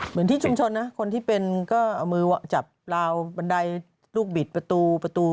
เหมือนที่ชุมชนนะคนที่เป็นก็เอามือจับราวบันไดลูกบิดประตูประตู